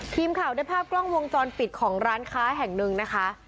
ทีมข่าวได้ภาพกล้องวงจรปิดของร้านค้าแห่งหนึ่งนะคะ